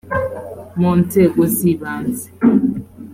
mu nzego z ibanze